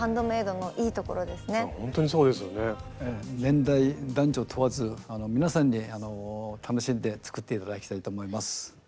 年代男女問わず皆さんに楽しんで作って頂きたいと思います。